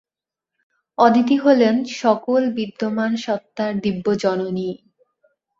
অদিতি হলেন সকল বিদ্যমান সত্ত্বার দিব্য জননী।